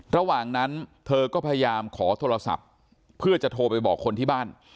ระหว่างนั้นเธอก็พยายามขอโทรศัพท์เพื่อจะโทรไปบอกคนที่บ้าน